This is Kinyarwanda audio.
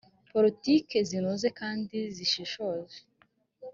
politiki zinoze kandi zishishoje